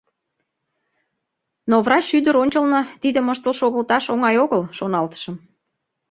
Но врач ӱдыр ончылно тидым ыштыл шогылташ оҥай огыл, шоналтышым.